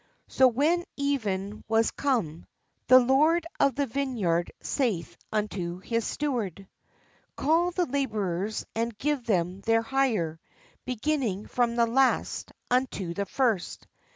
So when even was come, the lord of the vine yard saith unto his steward :" Call the labourers, and give them their hire, be ginning from the last unto the first."